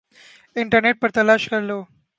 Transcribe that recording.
internet پر تلاش کر لو